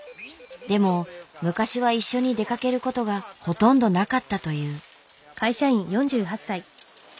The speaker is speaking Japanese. でも昔は一緒に出かけることがほとんどなかったという。